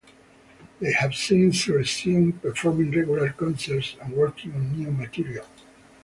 They have since resumed performing regular concerts and working on new material.